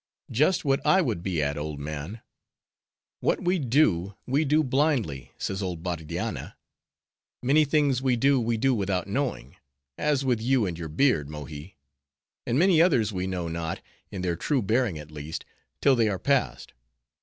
"Just what I would be at, old man. 'What we do, we do blindly,' says old Bardianna. Many things we do, we do without knowing,—as with you and your beard, Mohi. And many others we know not, in their true bearing at least, till they are past.